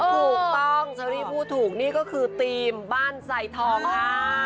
ถูกต้องเชอรี่พูดถูกนี่ก็คือธีมบ้านใส่ทองค่ะ